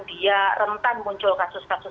dia rentan muncul kasus kasus